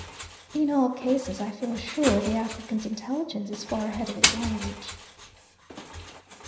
In all cases I feel sure the African's intelligence is far ahead of his language.